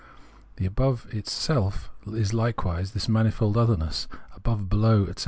The Above is itself likewise this manifold otherness — above, below, etc.